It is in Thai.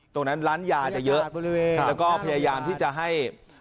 ตรงนั้นร้านยาจะเยอะแล้วก็พยายามที่จะให้